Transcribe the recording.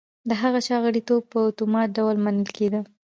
د هغه چا غړیتوب په اتومات ډول منل کېده.